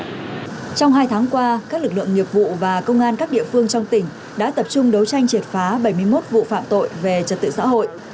trong hai tháng qua các lực lượng nghiệp vụ và công an các địa phương trong tỉnh đã tập trung đấu tranh triệt phá bảy mươi một vụ phạm tội về trật tự xã hội